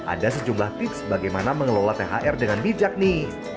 ada sejumlah tips bagaimana mengelola thr dengan bijak nih